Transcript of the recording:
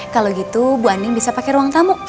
kalau gitu bu ani bisa pakai ruang tamu